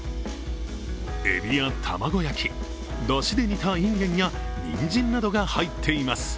エビや卵焼き、だしで煮たインゲンやにんじんなどが入っています。